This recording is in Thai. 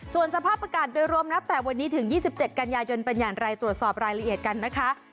ส่วนสภาพอากาศโดยรวมนับแต่วันนี้ถึง๒๗กันยายนเป็นอย่างไรตรวจสอบรายละเอียดกันนะคะ